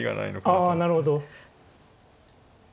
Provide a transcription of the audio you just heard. ああなるほど。